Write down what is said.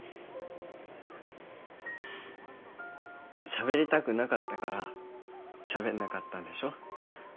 しゃべりたくなかったからしゃべんなかったんでしょ？